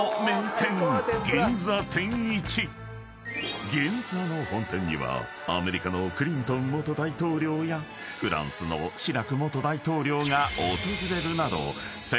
［銀座の本店にはアメリカのクリントン元大統領やフランスのシラク元大統領が訪れるなど］